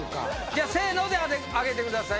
じゃあせーので上げてください。